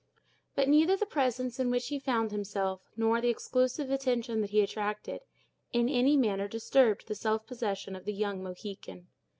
But neither the presence in which he found himself, nor the exclusive attention that he attracted, in any manner disturbed the self possession of the young Mohican.